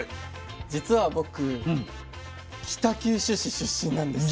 実は僕北九州市出身なんです。